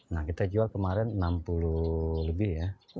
nah kita jual kemarin enam puluh lebih ya